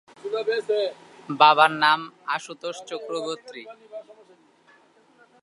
বাবার নাম আশুতোষ চক্রবর্তী।